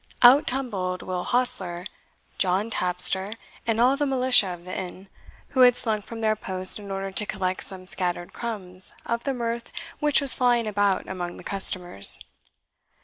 Out tumbled Will Hostler, John Tapster, and all the militia of the inn, who had slunk from their posts in order to collect some scattered crumbs of the mirth which was flying about among the customers.